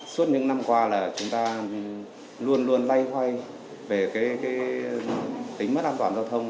suốt những năm qua là chúng ta luôn luôn bay quay về cái tính mất an toàn giao thông